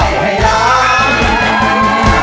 ร้องได้ให้ร้าง